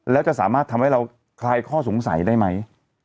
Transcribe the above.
แล้วจะสามารถทำให้เราคลายข้อสงสัยได้ไหม